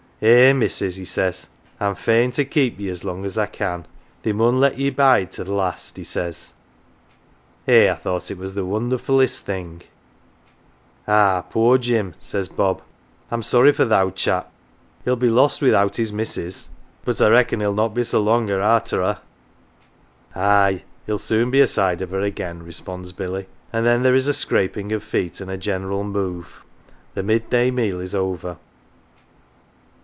' Eh, missus," 1 he says, ' I'm fain to keep ye as long as I can. They mun let ye bide to th' last, 1 he says. Eh, I thought it was the wonderfullest thing !"" Ah, poor Jim !" says Bob, " I'm sorry for th' owd chap. He'll be lost without his missus. But I reckon he'll not be so longer arter her." " Aye, he'll soon be aside of her again," responds Billy, and then there is a scraping of feet and a general move the mid day meal is over.